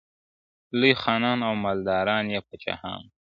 لوى خانان او مالداران يې پاچاهان وه-